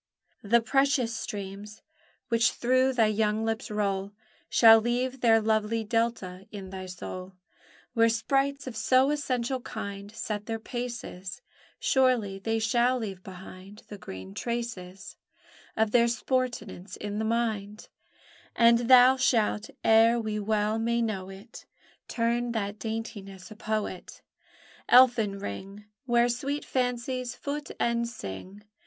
The precious streams which through thy young lips roll Shall leave their lovely delta in thy soul: Where sprites of so essential kind Set their paces, Surely they shall leave behind The green traces Of their sportance in the mind; And thou shalt, ere we well may know it, Turn that daintiness, a poet, Elfin ring Where sweet fancies foot and sing.